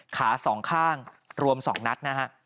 สองข้างรวม๒นัดนะฮะ